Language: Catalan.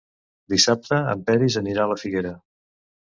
Dissabte en Peris anirà a la Figuera.